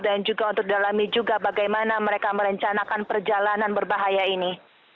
dan juga untuk dalamnya juga bagaimana mereka merencanakan perjalanan berbahaya ini